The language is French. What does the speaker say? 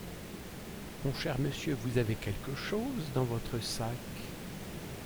Mon cher monsieur, vous avez quelque chose dans votre sac. ..